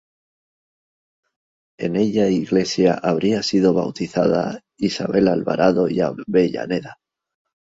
En ella iglesia habría sido bautizada Isabel Alvarado y Avellaneda.